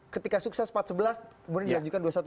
ketika sukses empat sebelas kemudian dilanjutkan dua dua belas